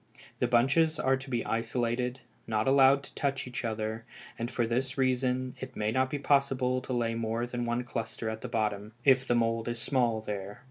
The bunches are to be isolated, not allowed to touch each other, and for this reason it may not be possible to lay more than one cluster at the bottom, if the mould is small there.